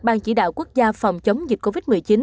ban chỉ đạo quốc gia phòng chống dịch covid một mươi chín